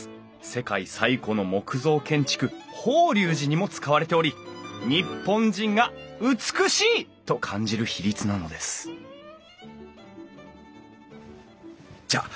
世界最古の木造建築法隆寺にも使われており日本人が美しいと感じる比率なのですじゃあ